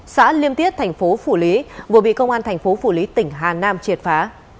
xã liêm tiết thành phố phủ lý vừa bị công an thành phố phủ lý tỉnh hà nam triệt phá